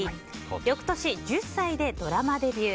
翌年、１０歳でドラマデビュー。